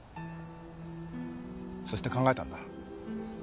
そして考えたんだ。